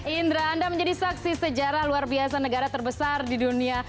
indra anda menjadi saksi sejarah luar biasa negara terbesar di dunia